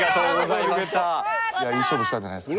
いい勝負したんじゃないですか？